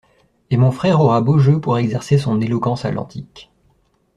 Et mon frère aura beau jeu pour exercer son éloquence à l'antique.